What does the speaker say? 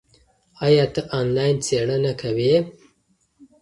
ایا ته آنلاین څېړنه کوې؟